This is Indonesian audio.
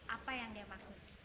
apa yang dia maksud